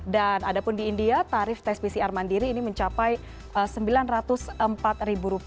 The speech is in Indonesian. dan ada pun di india tarif tes pcr mandiri ini mencapai rp sembilan ratus empat